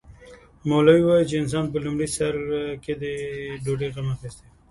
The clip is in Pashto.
مولوي وايي چې انسان په لومړي سر کې ډوډۍ غم اخیستی وي.